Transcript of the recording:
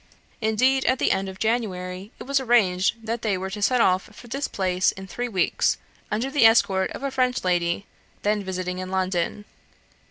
Indeed, at the end of January, it was arranged that they were to set off for this place in three weeks, under the escort of a French lady, then visiting in London.